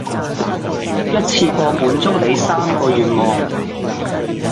一次過滿足你三個願望